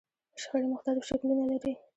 شخړې مختلف شکلونه لري.